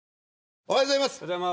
おはようございます。